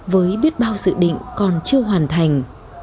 với biết bao dự định còn chưa hoàn thành